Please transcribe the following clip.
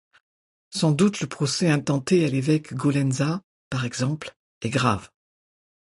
Sans doute le procès intenté à l’évêque Golensa, par exemple, est grave.